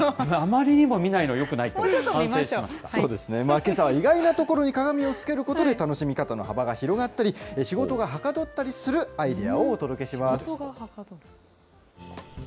あまりにも見ないのは、よくそうですね、けさは意外なところに鏡をつけることで楽しみ方の幅が広がったり、仕事がはかどったりするアイデアをお届けします。